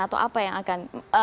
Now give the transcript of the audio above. atau apa yang akan